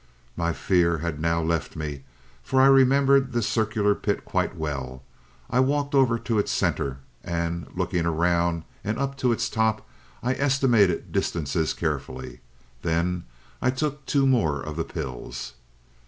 "My fear had now left me, for I remembered this circular pit quite well. I walked over to its center, and looking around and up to its top I estimated distances carefully. Then I took two more of the pills.